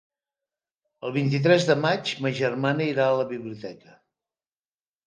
El vint-i-tres de maig ma germana irà a la biblioteca.